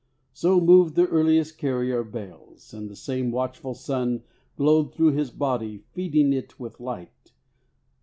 So moved the earliest carrier of bales, And the same watchful sun Glowed through his body feeding it with light.